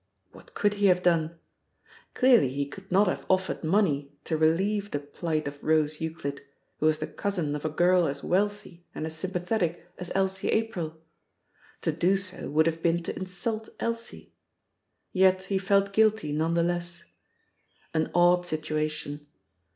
What could he have done? Clearly he could not have offered money to relieve the plight of Rose Euclid, who was the cousin of a girl as wealthy and as sympathetic as Elsie April. To do so would have been to insult Elsie. Yet he felt guilty none the less. An odd situation!